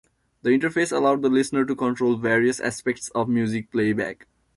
The interface allowed the listener to control various aspects of music playback.